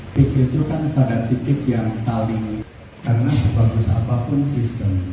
tip itu kan pada titik yang paling karena sebagus apapun sistem